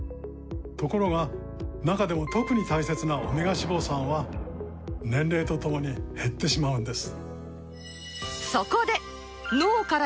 ところが中でも特に大切なオメガ脂肪酸は年齢とともに減ってしまうんです